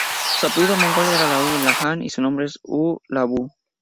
Su apellido mongol era U La Han, y su nombre U La Bu.